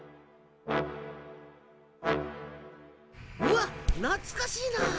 うわっなつかしいな！